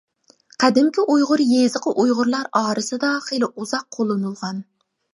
قەدىمكى ئۇيغۇر يېزىقى ئۇيغۇرلار ئارىسىدا خېلى ئۇزاق قوللىنىلغان.